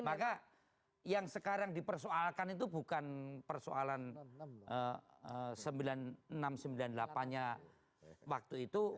maka yang sekarang dipersoalkan itu bukan persoalan sembilan puluh enam sembilan puluh delapan nya waktu itu